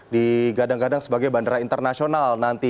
digadang gadang sebagai bandara internasional nanti